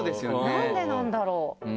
なんでなんだろう？